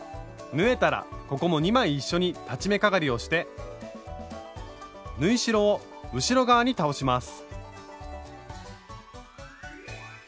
縫えたらここも２枚一緒に裁ち目かがりをして縫い代を後ろ側に倒します。